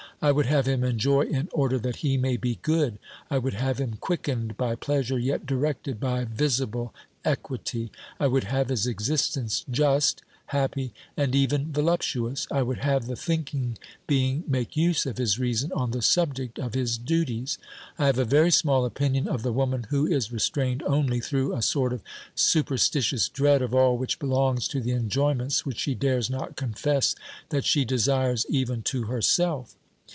I would have him enjoy in order that he may be good ; I would have him quickened by pleasure, yet directed by visible equity ; I would have his existence just, happy and even voluptuous. I would have the thinking being make use of his reason on the subject of his duties. I have a very small opinion of the woman who is restrained only through a sort of superstitious dread of all which belongs to the enjoyments which she dares not confess that she desires even to herself.